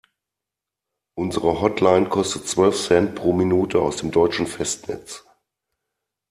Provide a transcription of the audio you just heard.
Unsere Hotline kostet zwölf Cent pro Minute aus dem deutschen Festnetz.